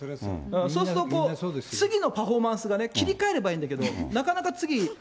そうすると次のパフォーマンスがね、切り替えればいいんだけど、なかなか次。